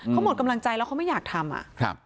เขาหมดกำลังใจแล้วเขาไม่อยากทำ